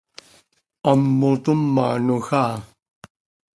Hammotómanoj áa.